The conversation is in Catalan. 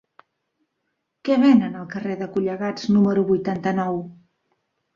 Què venen al carrer de Collegats número vuitanta-nou?